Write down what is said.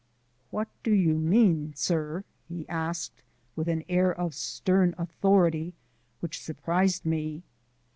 "What do you mean, sir?" he asked with an air of stern authority which surprised me.